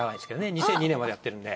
２００２年までやってるんで。